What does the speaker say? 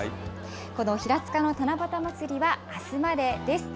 この平塚の七夕まつりはあすまでです。